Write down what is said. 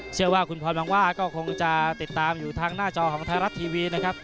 เชื่อว่าคุณพรหวังว่าก็คงจะติดตามอยู่ทางหน้าจอของไทยรัฐทีวีนะครับ